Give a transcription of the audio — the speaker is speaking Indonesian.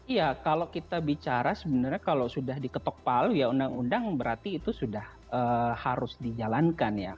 iya kalau kita bicara sebenarnya kalau sudah diketok palu ya undang undang berarti itu sudah harus dijalankan ya